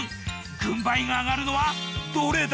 軍配が上がるのはどれだ！